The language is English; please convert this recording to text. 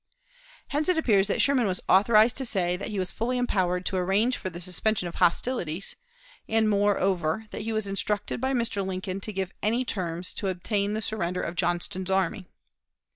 Hence it appears that Sherman was authorized to say that he was fully empowered to arrange for the suspension of hostilities; and, moreover, that he was instructed by Mr. Lincoln to give "any terms" to obtain the surrender of Johnston's army.